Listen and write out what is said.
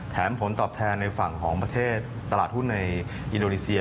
ผลตอบแทนในฝั่งของประเทศตลาดหุ้นในอินโดนีเซีย